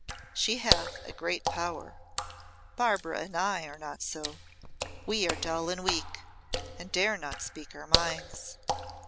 She hath a great power. Barbara and I are not so. We are dull and weak, and dare not speak our minds.